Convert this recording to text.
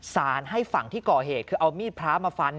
ให้ฝั่งที่ก่อเหตุคือเอามีดพระมาฟัน